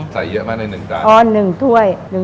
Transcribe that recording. ใส่เยอะมากใน๑จาน